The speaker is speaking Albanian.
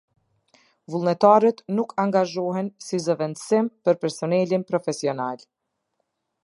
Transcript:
Vullnetarët nuk angazhohen si zëvendësim për personelin profesional.